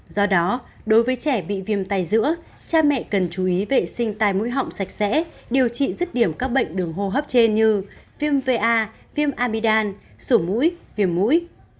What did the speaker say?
do đó đối với trẻ bị viêm tay giữa cha mẹ cần chú ý vệ sinh tay mũi họng sạch sẽ điều trị rứt điểm các bệnh đường hô hấp trên như viêm va viêm amidam sổ mũi viêm mũi